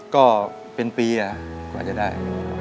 ก็เป็นปีกว่าจะได้